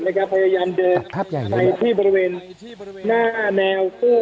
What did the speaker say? นะครับพยายามเดินตัดภาพใหญ่เลยไปที่บริเวณหน้าแนวตู้